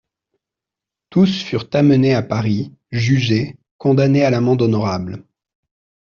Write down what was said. Tous furent amenés à Paris, jugés, condamnés à l'amende honorable.